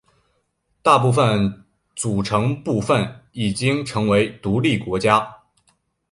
大部分组成部分已经成为独立国家。